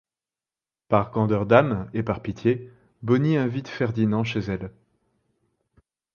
Par grandeur d'âme et par pitié, Bonnie invite Ferdinand chez elle.